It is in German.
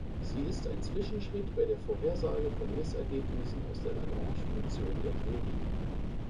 Sie ist ein Zwischenschritt bei der Vorhersage von Messergebnissen aus der Lagrangefunktion der Theorie.